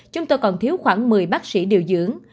chúng tôi còn thiếu khoảng một mươi bác sĩ điều dưỡng